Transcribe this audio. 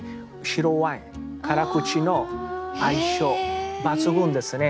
白ワイン辛口の相性抜群ですね。